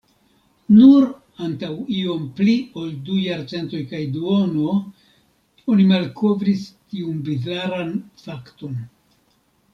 Nur antaŭ iom pli ol du jarcentoj kaj duono, oni malkovris tiun bizaran fakton.